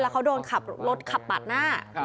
แล้วเขาโดนรถขับปัดหน้า